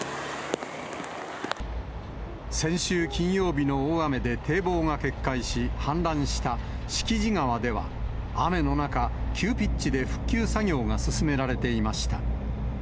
先週金曜日の大雨で堤防が決壊し氾濫した敷地川では、雨の中、急ピッチで復旧作業が進められていました。